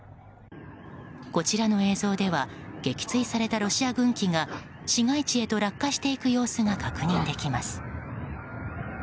こちらの映像では撃墜されたロシア軍機が市街地へと落下していく様子が確認できます。